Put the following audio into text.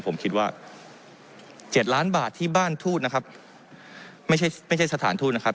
ผมคิดว่า๗ล้านบาทที่บ้านทูตนะครับไม่ใช่ไม่ใช่สถานทูตนะครับ